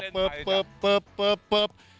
ปึ๊บปึ๊บปึ๊บ